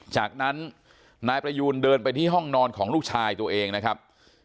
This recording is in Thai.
จากนั้นนายประยูนเดินไปที่ห้องนอนของลูกชายตัวเองนะครับ